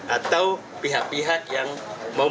atau pihak pihak yang mau